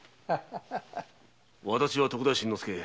私は徳田新之助。